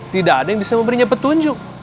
tidak ada yang bisa memberinya petunjuk